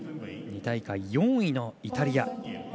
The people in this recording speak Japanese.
２大会、４位のイタリア。